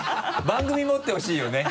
番組持ってほしいよね